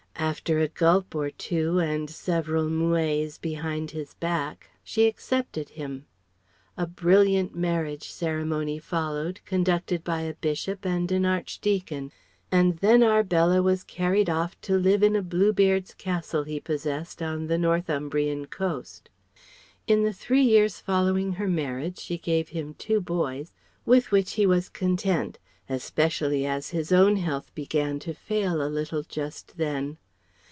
After a gulp or two and several moues behind his back, she accepted him. A brilliant marriage ceremony followed, conducted by a Bishop and an Archdeacon. And then Arbella was carried off to live in a Bluebeard's Castle he possessed on the Northumbrian coast. In the three years following her marriage she gave him two boys, with which he was content, especially as his own health began to fail a little just then.